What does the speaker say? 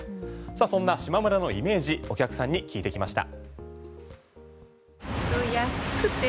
そんなしまむらのイメージお客さんに聞いてきました。